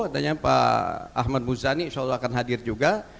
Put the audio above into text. dan yang pak ahmad muzani insya allah akan hadir juga